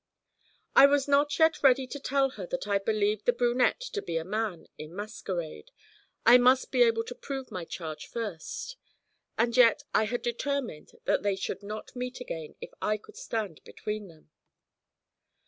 I was not yet ready to tell her that I believed the brunette to be a man in masquerade I must be able to prove my charge first; and yet I had determined that they should not meet again if I could stand between them.